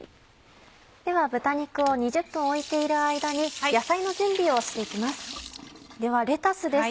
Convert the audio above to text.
では豚肉を２０分置いている間に野菜の準備をして行きます。